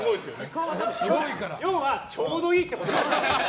要はちょうどいいってことです。